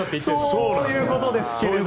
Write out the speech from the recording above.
そういうことですけど。